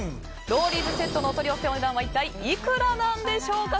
ロウリーズセットのお取り寄せセットのお値段はいくらなんでしょうか。